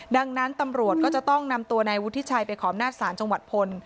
ดังนั้นตำรวจก็จะต้องนำตัวนายวุฒิชัยไปขออำนาจศาลจังหวัดพล